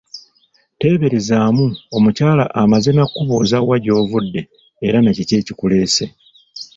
Teeberezaamu omukyala amaze na kubuuza wa gy'ovudde era nakiki ekikuleese.